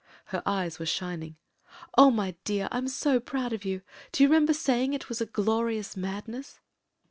" Her eyes were shining. "Oh! my dear — I'm so proud of you! Do you remember saying it was a glorious madness?"